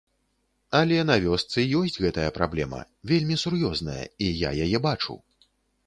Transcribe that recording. Але на вёсцы ёсць гэтая праблема, вельмі сур'ёзная, і я яе бачу.